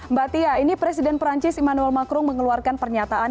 mbak tia ini presiden perancis emmanuel macrum mengeluarkan pernyataan